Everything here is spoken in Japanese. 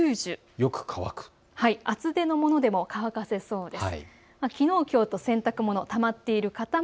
よく乾く、厚手のものでも乾かせそうです。